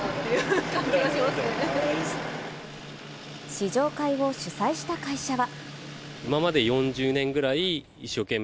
試乗会を主催した会社は。